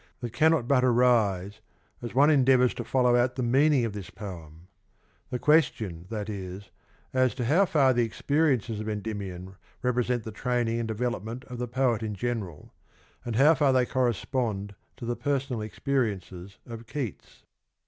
«,g that cannot but arise as one endeavours to follow out experience? the meaning of this poem — the question, that is, as to how far the experiences of Endymion represent the . training and development of the poet in general, and how far they correspond to the personal experiences of Keats.